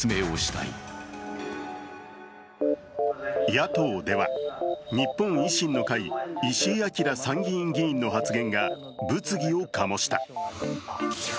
野党では日本維新の会・石井章参議院議員の発言が物議を醸した。